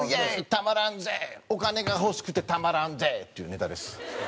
たまらんぜお金が欲しくてたまらんぜ」っていうネタです。